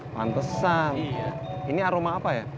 pantesan ini aroma apa ya